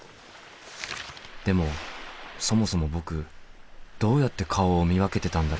でもそもそも僕どうやって顔を見分けてたんだろう？